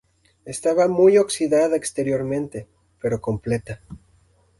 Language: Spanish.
Estaba muy oxidada exteriormente, pero completa.